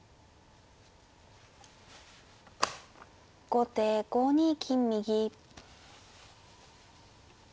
後手５二金右。